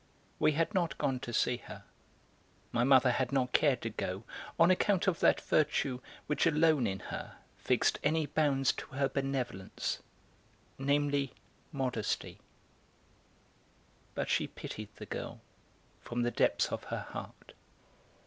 We had not gone to see her; my mother had not cared to go, on account of that virtue which alone in her fixed any bounds to her benevolence namely, modesty; but she pitied the girl from the depths of her heart.